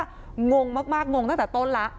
เพราะความมันเยอะมากว่างงมากงงตั้งแต่ต้นละ